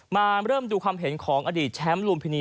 มาเริ่มดูความเห็นของอดีตแชมป์ลุมพินี